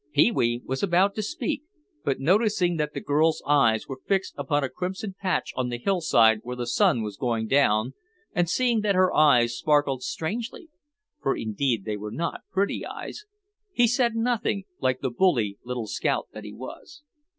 Pee wee was about to speak, but noticing that the girl's eyes were fixed upon a crimson patch on the hillside where the sun was going down, and seeing that her eyes sparkled strangely (for indeed they were not pretty eyes) he said nothing, like the bully little scout that he was.